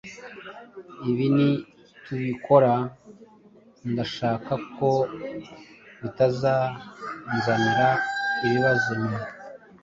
ibi nitubikora ndashaka ko bitazanzanira ibibazo nyuma